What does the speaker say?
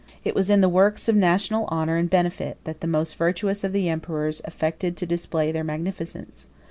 It was in works of national honor and benefit, that the most virtuous of the emperors affected to display their magnificence.